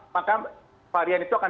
maka varian itu akan